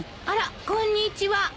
あらこんにちは。